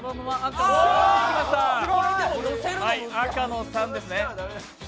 赤の３ですね。